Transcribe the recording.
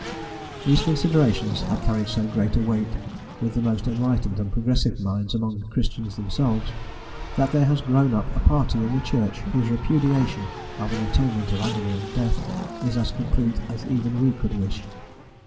These considerations have carried so great a weight with the most enlightened and progressive minds among Christians themselves, that there has grown up a party in the Church whose repudiation of an atonement of agony and death is as complete as even we could wish.